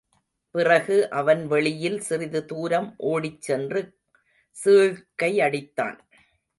பிறகு, அவன் வெளியில் சிறிது தூரம் ஓடிச்சென்று சீழ்க்கையடித்தான்.